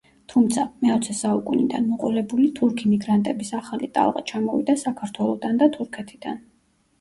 თუმცა, მეოცე საუკუნიდან მოყოლებული, თურქი მიგრანტების ახალი ტალღა ჩამოვიდა საქართველოდან და თურქეთიდან.